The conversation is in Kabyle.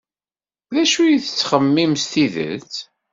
D acu ay tettxemmim s tidet?